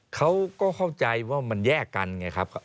เขาก็เข้าใจว่ามันแยกกันไงครับ